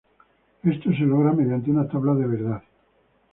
Esto se logra mediante una tabla de verdad.